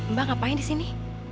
mbak ngapain di sini